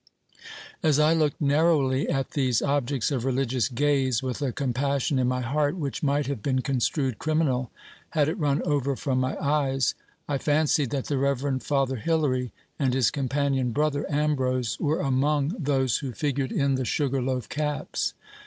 As I looked narrowly at these objects of religious gaze, with a compassion in my heart which might have been construed criminal, had it run over from my eyes, I fancied that the reverend Father Hilary and his companion brother Ambrose were among those who figured in the sugar loaf caps.